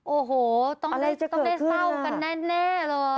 โอ้โหต้องได้เศร้ากันแน่เลย